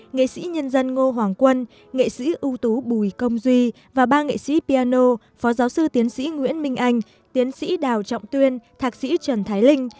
nghệ sĩ nhân dân ngô hoàng quân nghệ sĩ ưu tú bùi công duy và ba nghệ sĩ piano phó giáo sư tiến sĩ nguyễn minh anh tiến sĩ đào trọng tuyên thạc sĩ trần thái linh